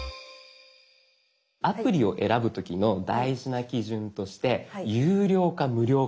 アプリを選ぶ時の大事な基準として有料か無料か。